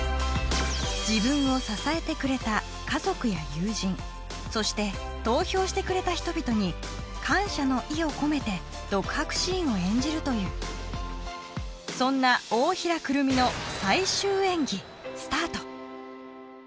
自分を支えてくれた家族や友人そして投票してくれた人々に感謝の意を込めて独白シーンを演じるというそんな大平くるみの最終演技スタート